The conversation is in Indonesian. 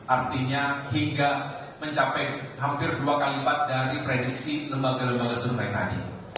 artinya hingga mencapai hampir dua kali lipat dari prediksi lembaga lembaga survei tadi